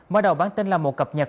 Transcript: mở đầu bản tin là một cập nhật